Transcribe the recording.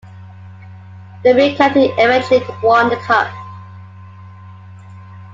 Derby County eventually won the Cup.